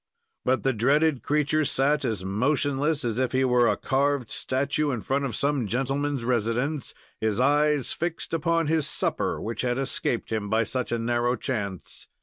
But the dreaded creature sat as motionless as if he were a carved statue in front of some gentleman's residence, his eyes fixed upon his supper, which had escaped him by such a narrow chance.